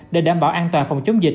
để đảm bảo an toàn phòng chống dịch